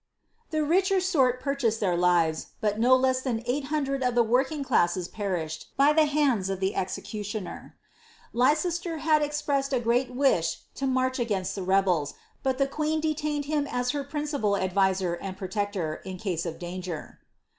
n The richer sort purchased their lives, but no less than eight hundred of the working classes perished by the hands of the executioner ! Lei cester Itad expressed a great wish to march against the rebels, but the queen detained him as her principal adviser and protector, in case of danger.